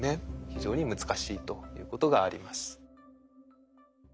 非常に難しいということがあります。